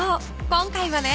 今回はね